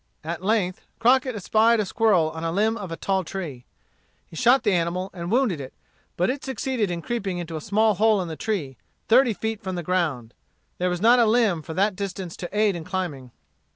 At length, Crockett espied a squirrel on the limb of a tall tree. He shot at the animal and wounded it but it succeeded in creeping into a small hole in the tree, thirty feet from the ground. There was not a limb for that distance to aid in climbing.